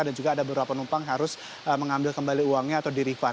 dan juga ada beberapa penumpang yang harus mengambil kembali uangnya atau dirifan